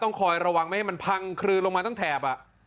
คอยระวังไม่ให้มันพังคลืนลงมาตั้งแถบ